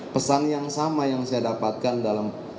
pesan yang sama yang saya dapatkan dalam